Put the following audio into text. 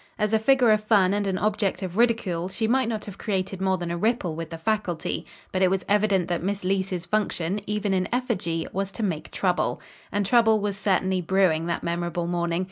As a figure of fun and an object of ridicule, she might not have created more than a ripple with the faculty. But it was evident that Miss Leece's function, even in effigy, was to make trouble. And trouble was certainly brewing that memorable morning.